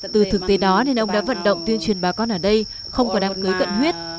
từ thực tế đó nên ông đã vận động tuyên truyền bà con ở đây không có đám cưới cận huyết